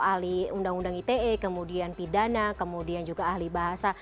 ahli undang undang ite kemudian pidana kemudian juga ahli bahasa